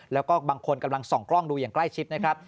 แล้วก็บางคนกำลังส่องกล้องดูอย่างใกล้ชิดนะครับ